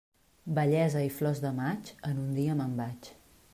Bellesa i flors de maig, en un dia me'n vaig.